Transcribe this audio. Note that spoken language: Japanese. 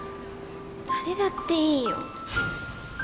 誰だっていいよ。